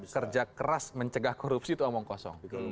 kerja keras mencegah korupsi itu omong kosong